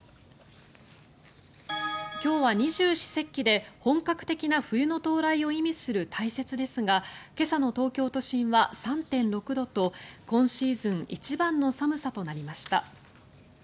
今日は二十四節気で本格的な冬の到来を意味する大雪ですが今朝の東京都心は３．６度と今シーズン一番の寒さとなりました。